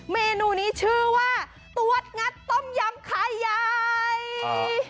เมนูนี้ชื่อว่าตวดงัดต้มยำขายใหญ่